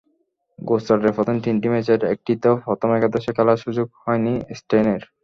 গুজরাটের প্রথম তিনটি ম্যাচের একটিতেও প্রথম একাদশে খেলার সুযোগ হয়নি স্টেইনের।